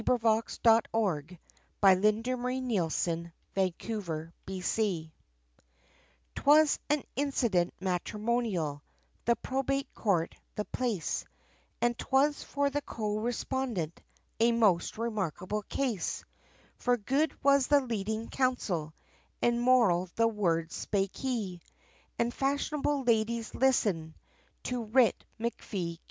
[Illustration: A Most Remarkable Case] 'TWAS an incident Matrimonial, the Probate Court the place, And 'twas for the co respondent, a most remarkable case, For good was the leading counsel, and moral the words spake he, And fashionable ladies listened, to Writ MacFee, Q.C.